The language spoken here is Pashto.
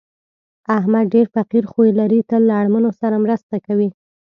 احمد ډېر فقیر خوی لري، تل له اړمنو سره مرسته کوي.